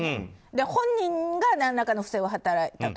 本人が何らかの不正を働いたと。